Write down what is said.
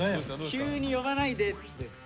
「急に呼ばないで！」ですね。